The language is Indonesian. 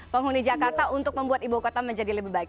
penghuni jakarta untuk membuat ibu kota menjadi lebih baik